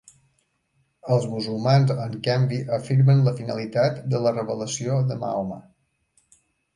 Els musulmans, en canvi, afirmen la finalitat de la revelació de Mahoma.